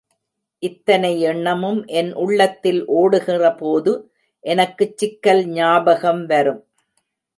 இத்தனை எண்ணமும் என் உள்ளத்தில் ஓடுகிறபோது, எனக்குச் சிக்கல் ஞாபகம் வரும்.